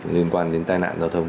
liên quan đến tai nạn giao thông